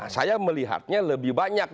saya melihatnya lebih banyak